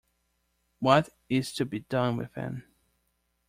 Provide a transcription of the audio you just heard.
What is to be done with him?